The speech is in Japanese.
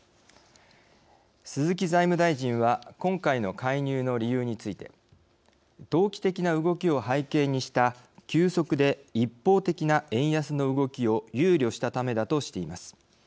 鈴木財務大臣は今回の介入の理由について「投機的な動きを背景にした急速で一方的な円安の動きを憂慮したため」だとしています。